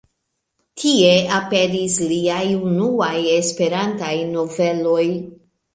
Tie aperis liaj unuaj Esperantaj noveloj.